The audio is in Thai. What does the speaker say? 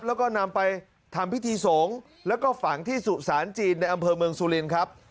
แล้วก็นำไปทำพิธีสงฆ์แล้วก็ฝังที่สุสานจีนในอำเภอเมืองสุรินครับ